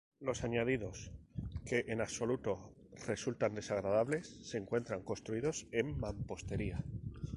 Los añadidos, que en absoluto resultan degradantes, se encuentran construidos en mampostería.